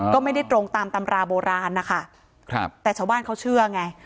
ก็ไม่ได้ตรงตามตำราโบราณนะคะครับแต่ชาวบ้านเขาเชื่อไง